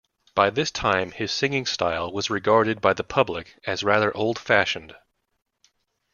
By this time his singing style was regarded by the public as rather old-fashioned.